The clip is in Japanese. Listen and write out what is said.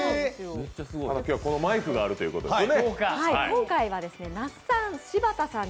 今日はこのマイクがあるということでですね。